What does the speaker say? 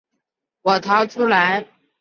我逃出来